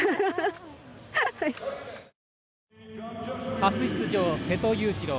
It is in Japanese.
初出場、瀬戸勇次郎。